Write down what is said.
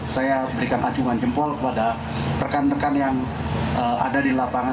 saya berikan acungan jempol kepada rekan rekan yang ada di lapangan